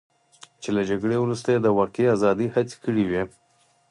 چې له جګړې وروسته یې د واقعي ازادۍ هڅې کړې وې.